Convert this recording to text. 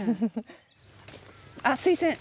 あっスイセン。